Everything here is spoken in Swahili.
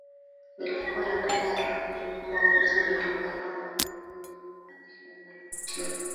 nilikuwa napenda halafu ni kwamba uwezo nilikuwa nao Pale ndio nilipokuwa na hilo linanivutia